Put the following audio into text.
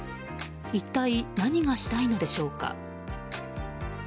一体、何がしたいのでしょうか。